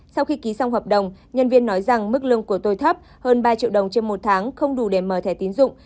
sau khi ký xong hợp đồng nhân viên nói rằng mức lương của tôi thấp hơn ba triệu đồng trên một tháng không đủ để mở thẻ tín dụng